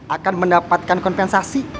akan mendapatkan kompensasi